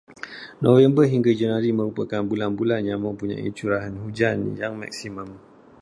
November hingga Januari merupakan bulan-bulan yang mempunyai curahan hujan yang maksimum.